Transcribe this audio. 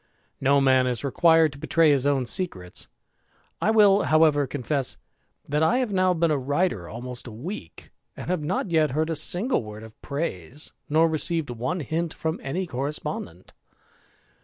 No man is required to betraj his own secrets. I will, however, confess, that I havi now been a writer almost a week, and have not y^^j heard a single word of praise, nor received one hint fro^::^, any correspondent.